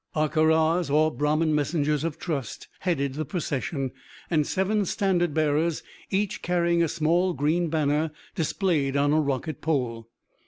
Harcarrahs, or Brahmin messengers of trust, headed the procession, and seven standard bearers, each carrying a small green banner displayed on a rocket pole.